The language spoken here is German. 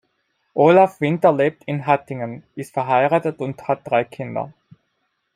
Olaf Winter lebt in Hattingen, ist verheiratet und hat drei Kinder.